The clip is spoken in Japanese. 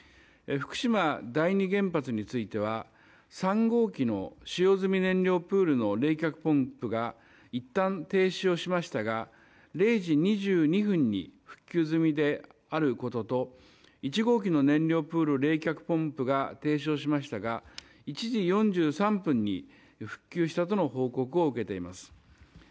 福島第二原発については３号機の使用済み燃料プールの冷却ポンプがいったん停止しましたが０時２２分に復旧済みであることと１号機の燃料プール冷却ポンプが停止をしましたが１時４３分に復旧したとの報告を受けています。